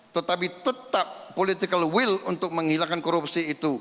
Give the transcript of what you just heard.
tetapi tetap political will untuk menghilangkan korupsi itu